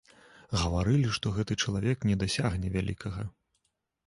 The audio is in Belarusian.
Гаварылі, што гэты чалавек не дасягне вялікага.